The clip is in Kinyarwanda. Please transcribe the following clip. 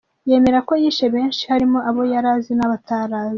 Yemera ko yishe benshi, harimo abo yari azi n’abo atari azi.